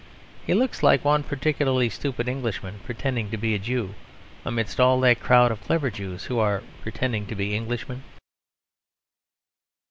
He looks like one particularly stupid Englishman pretending to be a Jew, amidst all that crowd of clever Jews who are pretending to be Englishmen.